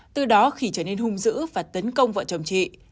từ đó khỉ trở nên hung dữ và tấn công vợ chồng chị